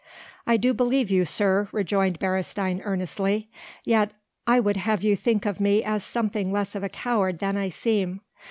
"I do believe you, sir," rejoined Beresteyn earnestly, "yet I would have you think of me as something less of a coward than I seem.